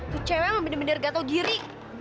tuh cewek mah bener bener gak tau diri